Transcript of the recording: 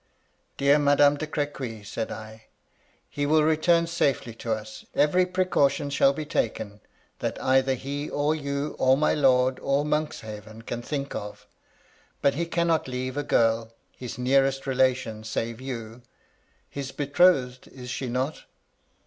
Dear Madame de Crequy/ said I, *he will return safely to us ; every precaution shall be taken, that either he or you, or my lord, or Monkshaven can think of; but he cannot leave a gbrl — ^his nearest relation save you — ^his betrothed, is she not